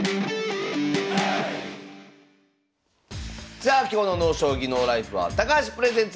さあ今日の「ＮＯ将棋ＮＯＬＩＦＥ」は「高橋プレゼンツ